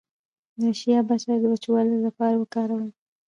د شیا بټر د وچوالي لپاره وکاروئ